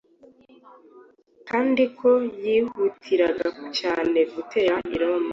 kandi ko yihutiraga cyane gutera i Roma,